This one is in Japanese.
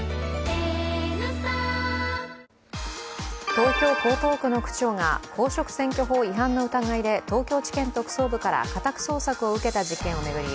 東京・江東区の区長が、公職選挙法違反の疑いで東京地検特捜部から家宅捜索を受けた事件を巡り